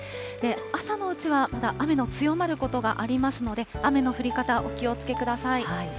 朝のうちはまだ雨の強まることがありますので、雨の降り方、お気をつけください。